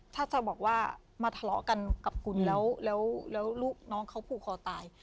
ถ้าจะบอกว่ามาทะเลาะกันกับคุณแล้วลูกน้องเขาผูกคอตาย